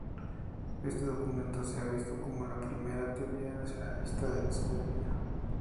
Este documento se ha visto como la primera "teoría nacionalista de la soberanía".